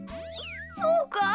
そうか？